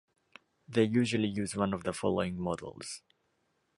They usually use one of the following models.